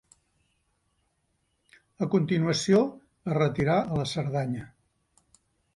A continuació es retirà a la Cerdanya.